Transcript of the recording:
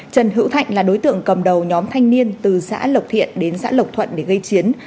trần hữu thạnh là đối tượng cầm đầu nhóm thanh niên từ xã lộc thiện đến xã lộc thuận để gây chiến